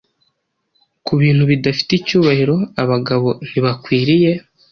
Kubintu bidafite icyubahiro, abagabo ntibakwiriye